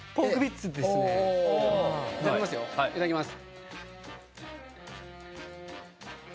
いただきます。